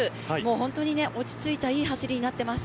本当に落ち着いたいい走りになっています。